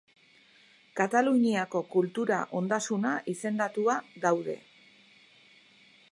Kataluniako Kultura Ondasuna izendatua daude.